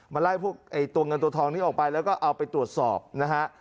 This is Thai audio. ไล่พวกตัวเงินตัวทองนี้ออกไปแล้วก็เอาไปตรวจสอบนะฮะ